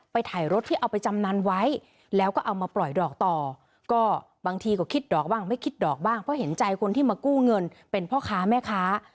เพราะเห็นใจคนที่มากู้เงินเป็นพ่อค้าแม่ค้า